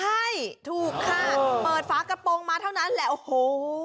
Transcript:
ใช่ถูกค่ะเปิดฝากระโปรงมาเท่านั้นแหละโอ้โห